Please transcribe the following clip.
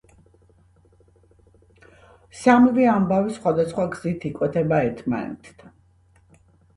სამივე ამბავი სხვადასხვა გზით იკვეთება ერთმანეთთან.